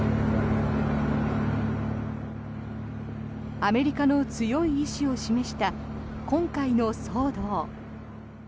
アメリカの強い意思を示した今回の騒動。